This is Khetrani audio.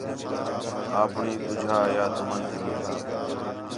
اپݨی ٻُجھا یا تُمن تی ٻُجھا